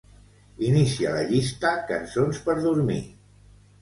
Inicia la llista "cançons per dormir".